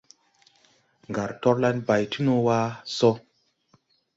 Ngar torlan bay ti no wa so.